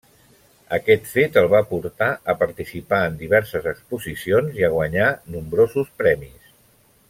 Aquest fet el va portar a participar en diverses exposicions i a guanyar nombrosos premis.